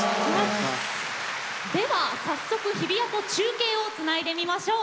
では早速日比谷と中継をつないでみましょう。